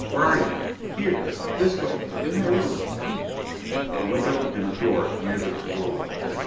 Where are you?" "Here! This way: in my room." A window and a door near the pergola.